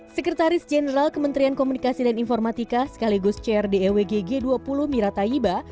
sekretaris jenderal kementerian komunikasi dan informatika sekaligus chair dewg g dua puluh mira tayiba